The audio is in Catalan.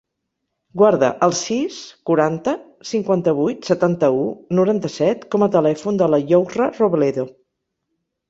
Guarda el sis, quaranta, cinquanta-vuit, setanta-u, noranta-set com a telèfon de la Yousra Robledo.